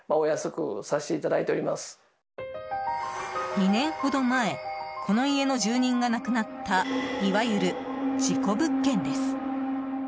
２年ほど前この家の住人が亡くなったいわゆる事故物件です。